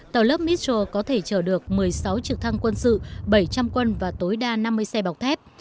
tàu lớp mitcher có thể chở được một mươi sáu trực thăng quân sự bảy trăm linh quân và tối đa năm mươi xe bọc thép